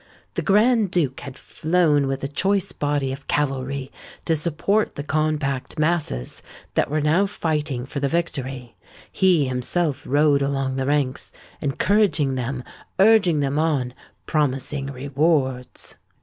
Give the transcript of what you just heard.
The Grand Duke had flown with a choice body of cavalry to support the compact masses that were now fighting for the victory: he himself rode along the ranks—encouraging them—urging them on—promising rewards.